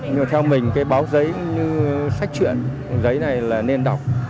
nhưng mà theo mình cái báo giấy như sách chuyện giấy này là nên đọc